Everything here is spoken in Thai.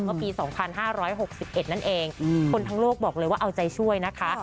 เมื่อปี๒๕๖๑นั่นเองคนทั้งโลกบอกเลยว่าเอาใจช่วยนะคะ